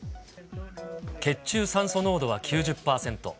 血中酸素濃度は９０％。